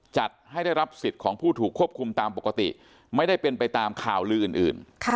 จัดให้ได้รับสิทธิ์ของผู้ถูกควบคุมตามปกติไม่ได้เป็นไปตามข่าวลืออื่น